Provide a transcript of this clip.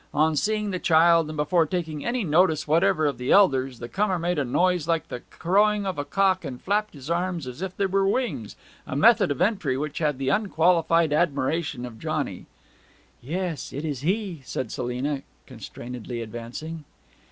On seeing the child, and before taking any notice whatever of the elders, the comer made a noise like the crowing of a cock and flapped his arms as if they were wings, a method of entry which had the unqualified admiration of Johnny. 'Yes it is he,' said Selina constrainedly advancing.